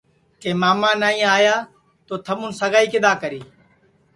کہ ماما نائی آیا تو تھمُون سگائی کِدؔا کری